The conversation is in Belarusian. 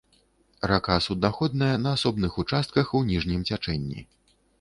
Рака суднаходная на асобных участках у ніжнім цячэнні.